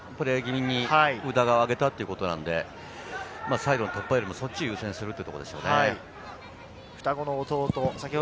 宇田川を上げたということなので、最後の突破よりも、そちらを優先するというところでしょう。